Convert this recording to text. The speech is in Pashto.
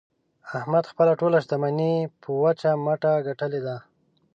احمد خپله ټوله شمني په وچ مټه ګټلې ده.